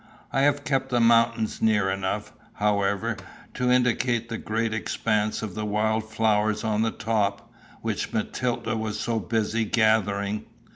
I have kept the mountain near enough, however, to indicate the great expanse of wild flowers on the top, which Matilda was so busy gathering.